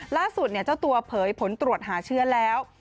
เจ้าตัวเผยผลตรวจหาเชื้อแล้ว